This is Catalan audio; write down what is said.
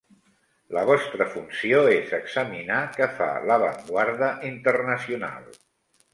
La vostra funció és examinar què fa l'avantguarda internacional.